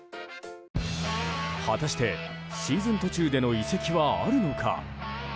果たして、シーズン途中での移籍はあるのか。